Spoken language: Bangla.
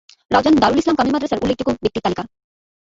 রাউজান দারুল ইসলাম কামিল মাদ্রাসার উল্লেখযোগ্য ব্যক্তির তালিকা